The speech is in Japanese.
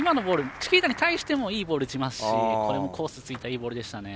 チキータに対してもいいボール打ちますしコース突いた、いいボールでした。